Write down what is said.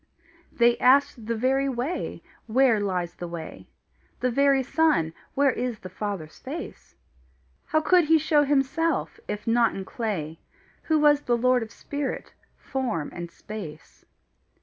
They asked the very Way, where lies the way; The very Son, where is the Father's face; How he could show himself, if not in clay, Who was the lord of spirit, form, and space.